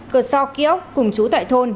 cờ so ký ốc cùng chú tại thôn